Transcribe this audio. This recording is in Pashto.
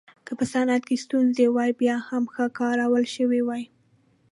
که په صنعت کې ستونزې وای بیا هم ښه کارول شوې وای